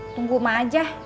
tunggu ma aja